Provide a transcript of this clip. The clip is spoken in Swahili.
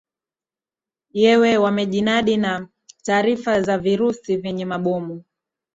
yewe yamejinadi na taarifa za vifurusi vyenye mabomu